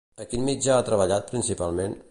A quin mitjà ha treballat principalment?